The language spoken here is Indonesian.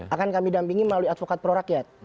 akan kami dampingi melalui advokat prorakyat